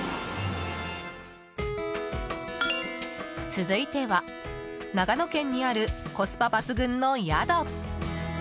続いては、長野県にあるコスパ抜群の宿。